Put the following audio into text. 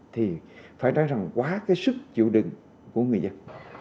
thì phải nói rằng quá cái sức chịu đựng của người dân